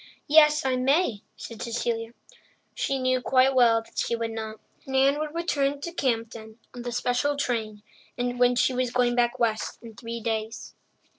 "Yes, I may," said Cecilia. She knew quite well that she would not. Nan would return to Campden on the special train, and she was going back west in three days.